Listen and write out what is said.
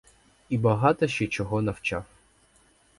І багато ще чого навчав.